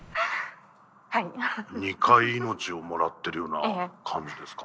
２回命をもらってるような感じですか。